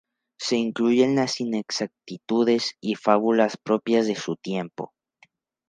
Se incluyen las inexactitudes y fábulas propias de su tiempo.